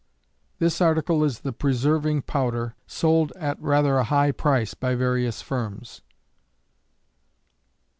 This article is the preserving powder sold at rather a high price by various firms.